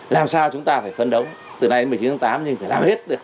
làm sao chúng ta phải phân đấu từ nay đến một mươi chín tháng tám chúng ta phải làm hết được